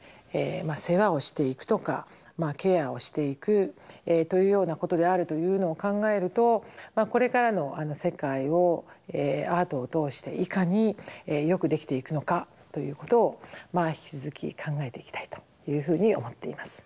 世話をしていくとかケアをしていくというようなことであるというのを考えるとこれからの世界をアートを通していかによくできていくのかということを引き続き考えていきたいというふうに思っています。